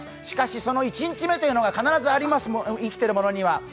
しかしその１日目というのが必ずあります、生きてる者には。